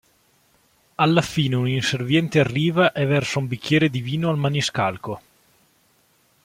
Alla fine un inserviente arriva e versa un bicchiere di vino al "maniscalco".